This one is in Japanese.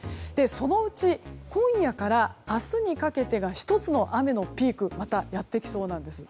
そのうち、今夜から明日にかけてが１つの雨のピークまた、やってきそうなんです。